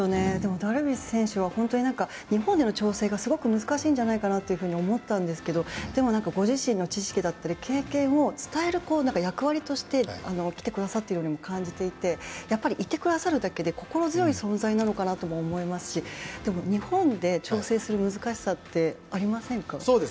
ダルビッシュ選手は日本での調整がすごく難しいんじゃないかなと思ったんですけどでもご自身の知識だったり経験を伝える役割として来てくださっているようにも感じていていてくださるだけで心強い存在なのかなと思いますしでも日本で調整する難しさってありませんか？